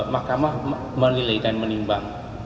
mahkamah menilai dan menimbang